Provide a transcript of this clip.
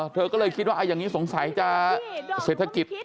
เธอก็เลยคิดว่าอย่างนี้สงสัยจะเศรษฐกิจ